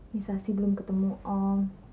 nisa sih belum ketemu om